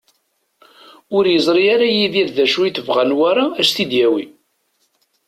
Ur yeẓri ara Yidir d acu i tebɣa Newwara ad as-t-id-yawi.